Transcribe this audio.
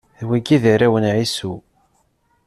D wigi i d arraw n Ɛisu.